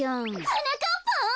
はなかっぱん？